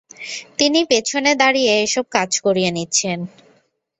তিনি পেছনে দাঁড়িয়ে এ-সব কাজ করিয়ে নিচ্ছেন।